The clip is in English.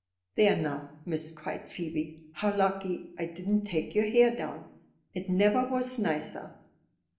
"There now, miss," cried Phoebe, "how lucky I didn't take your hair down. It never was nicer."